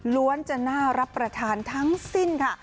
จะน่ารับประทานทั้งสิ้นค่ะ